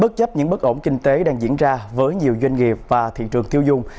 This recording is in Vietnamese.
bất chấp những bất ổn kinh tế đang diễn ra với nhiều doanh nghiệp và thị trường tiêu dùng